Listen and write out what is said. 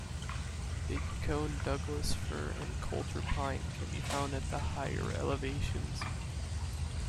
Big-cone Douglas fir and Coulter pine can be found at the higher elevations.